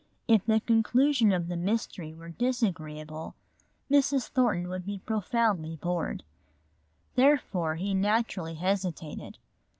If the conclusion of the mystery were disagreeable Mrs. Thornton would be profoundly bored. Therefore he naturally hesitated.